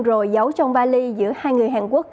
rồi giấu trong bali giữa hai người hàn quốc